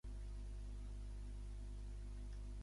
Carme, i va sortir la típica comparació del món i el mocador.